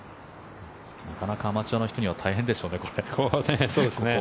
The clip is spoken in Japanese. なかなかアマチュアの人には大変でしょうね。